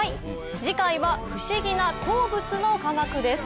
次回は不思議な鉱物の科学です。